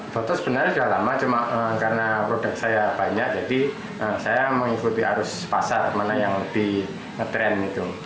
foto sebenarnya sudah lama cuma karena produk saya banyak jadi saya mengikuti arus pasar mana yang lebih ngetrend itu